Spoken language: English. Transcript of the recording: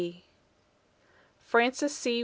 FRANCIS C.